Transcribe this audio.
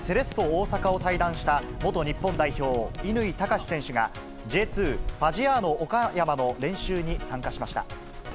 大阪を退団した元日本代表、乾貴士選手が、Ｊ２・ファジアーノ岡山の練習に参加しました。